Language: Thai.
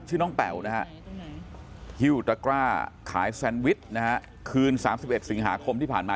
ชื่อน้องเป๋าฮิวตะกร้าคายแซนวิชคืน๓๑สิงหาคมที่ผ่านมา